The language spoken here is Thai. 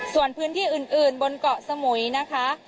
ส่วนพื้นที่อื่นบนเกาะสมุยนะคะ